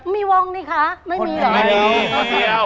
มีวงนี่คะไม่มีเหรอ